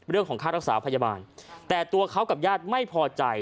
เรื่องของค่ารักษาพยาบาลแต่ตัวเขากับญาติไม่พอใจ